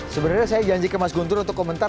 sebenarnya saya janji ke mas guntur untuk komentar